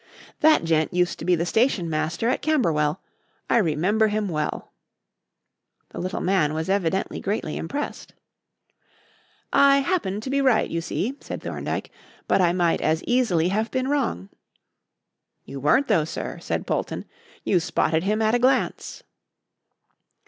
"That gent used to be the stationmaster at Camberwell. I remember him well." The little man was evidently greatly impressed. "I happen to be right, you see," said Thorndyke; "but I might as easily have been wrong." "You weren't though, sir," said Polton. "You spotted him at a glance."